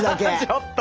ちょっと。